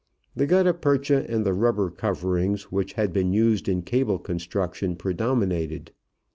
The gutta percha and the rubber coverings which had been used in cable construction predominated.